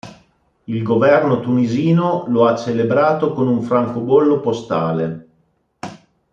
Il governo tunisino lo ha celebrato con un francobollo postale.